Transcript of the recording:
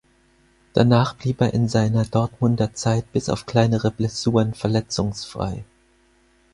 Danach blieb er in seiner Dortmunder Zeit bis auf kleinere Blessuren verletzungsfrei.